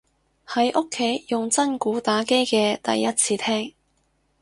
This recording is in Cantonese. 喺屋企用真鼓打機嘅第一次聽